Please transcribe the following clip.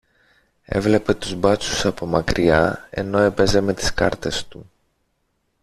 έβλεπε τους μπάτσους από μακριά ενώ έπαιζε με τις κάρτες του.